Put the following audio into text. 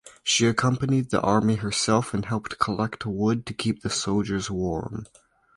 She accompanied the army herself and helped collect wood to keep the soldiers warm.